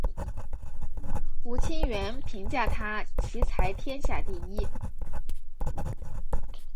吴清源评价他棋才天下第一。